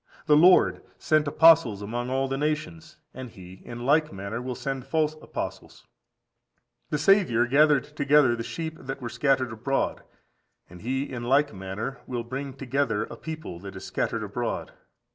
The Lord sent apostles among all the nations, and he in like manner will send false apostles. The Saviour gathered together the sheep that were scattered abroad,14191419 John xi. 52. and he in like manner will bring together a people that is scattered abroad.